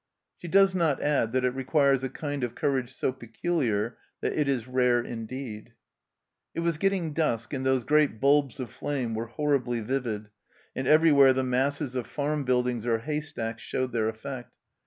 She does not add that it requires a kind of courage so peculiar that it is rare indeed ! It was getting dusk, and those great bulbs of flame were horribly vivid, and everywhere the masses of farm buildings or haystacks showed their effect.